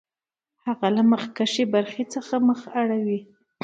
هغه له مخکینۍ برخې څخه مخ اړوي